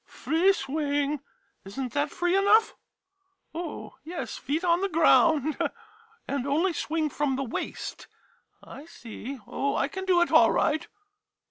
Free swing — is n't that free enough ? Oh, yes, feet on the ground, and only swing from the waist. I see — Oh, I can do it all right.